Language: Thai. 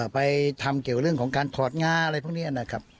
ไปทำเกี่ยวเรื่องของการถอดงาอะไรพวกนี้นะครับ